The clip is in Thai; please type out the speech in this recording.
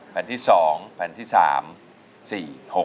แผนที่๒แผนที่๓